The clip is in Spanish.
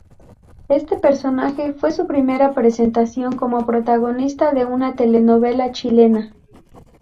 Este personaje fue su primera presentación como protagonista de una telenovela chilena.